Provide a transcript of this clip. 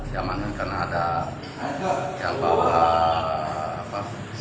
diamankan karena ada yang bawa sajam berbasis dosis